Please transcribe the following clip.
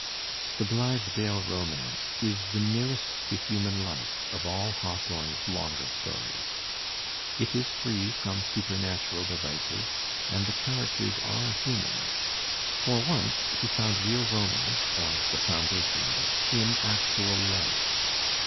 The Blithedale Romance" is the nearest to human life of all Hawthorne's longer stories. It is free from super natural devices, and the characters are human. For once he found real romance, or the foimdation of it, in actual life.